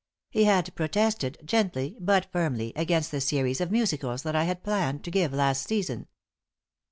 He had protested, gently but firmly, against the series of musicals that I had planned to give last season.